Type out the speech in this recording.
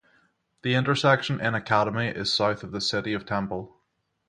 The intersection in Academy is south of the city of Temple.